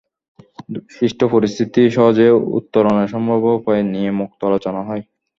সৃষ্ট পরিস্থিতি সহজে উত্তরণের সম্ভাব্য উপায় নিয়ে মুক্ত আলোচনা হয়।